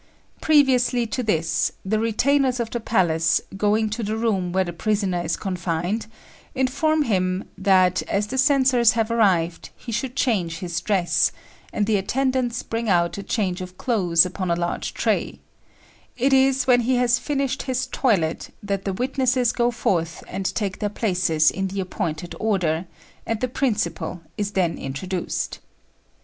] Previously to this, the retainers of the palace, going to the room where the prisoner is confined, inform him that, as the censors have arrived, he should change his dress, and the attendants bring out a change of clothes upon a large tray: it is when he has finished his toilet that the witnesses go forth and take their places in the appointed order, and the principal is then introduced.